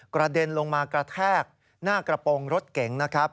เด็นลงมากระแทกหน้ากระโปรงรถเก๋งนะครับ